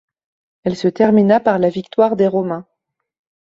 Elle se termina par la victoire des Romains.